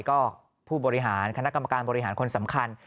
ก็ผู้บริหารคณะกรรมการบริหารคนสำคัญ